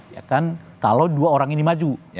ya kan kalau dua orang ini maju